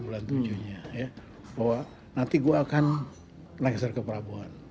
bahwa nanti gue akan lengser ke prabowo